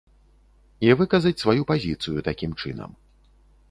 І выказаць сваю пазіцыю такім чынам.